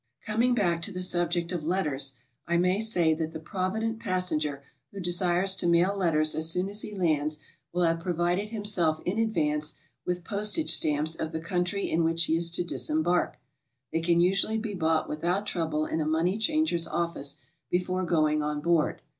Coming back to the subject of letters, I may say that the provident passenger who desires to mail letters as soon as he lands will have provided himself in advance with post age stamps of the country in which he is to disembark; they can usually be bought withcxut trouble in a money changer's office before going on board.